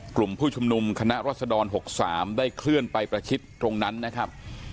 กลุ่มผู้ชุมนุมคณะรัศดร๖๓ได้เคลื่อนไปประชิดตรงนั้นนะครับ